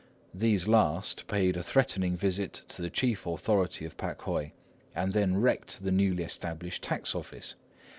These last paid a threatening visit to the chief authority of Pakhoi, and then wrecked the newly established tax office.